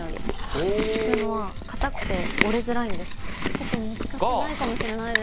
ちょっと見つかってないかもしれないです。